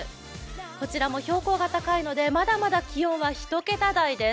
こちらも標高が高いのでまだまだ気温は１桁台です。